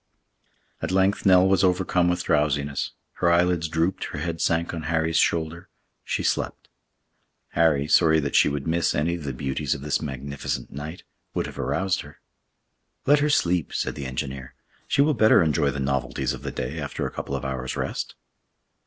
At length Nell was overcome with drowsiness, her eyelids drooped, her head sank on Harry's shoulder—she slept. Harry, sorry that she should miss any of the beauties of this magnificent night, would have aroused her. "Let her sleep!" said the engineer. "She will better enjoy the novelties of the day after a couple of hours' rest."